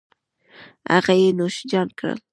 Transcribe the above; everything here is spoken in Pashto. هغه یې نوش جان کړل